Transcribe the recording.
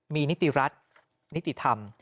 มีนิติรัฐนิติธรรม